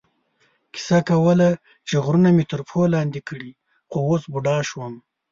کیسه کوله چې غرونه مې تر پښو لاندې کړي، خو اوس بوډا شوم.